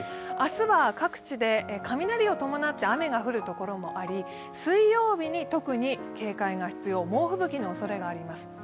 明日は各地で雷を伴って雨が降るところもあり、水曜日に特に警戒が必要、猛吹雪のおそれがあります。